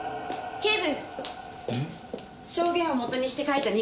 警部！